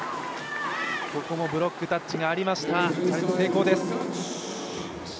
ここもブロックアウトがありました、チャレンジ成功です。